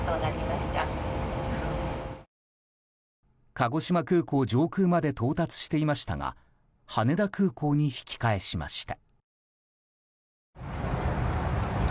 鹿児島空港上空まで到達していましたが羽田空港に引き返しました。